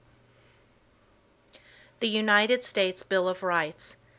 The United States Bill of Rights.